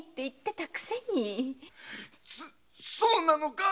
そうなのか？